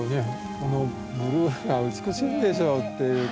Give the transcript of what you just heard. このブルーが美しいんでしょうっていうか